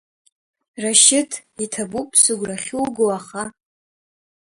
Рашьыҭ, иҭабуп сыгәра ахьуго, аха…